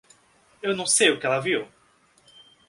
Eu não sei o que ela viu?